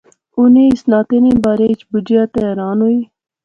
انی اس ناطے نے بارے چ بجیا تہ حیران ہوئی